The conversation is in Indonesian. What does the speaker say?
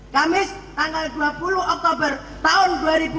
kamis tanggal dua puluh oktober tahun dua ribu dua puluh